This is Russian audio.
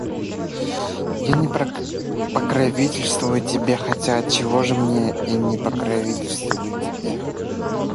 Я не покровительствую тебе... Хотя отчего же мне и не покровительствовать тебе?